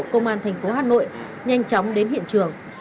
công an thành phố hà nội nhanh chóng đến hiện trường